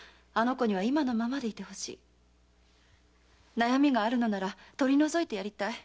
悩みがあるのなら取り除いてやりたい。